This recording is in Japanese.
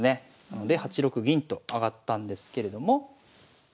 なので８六銀と上がったんですけれども。